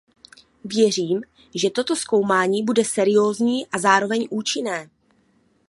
Věřím, že toto zkoumání bude seriózní a zároveň účinné.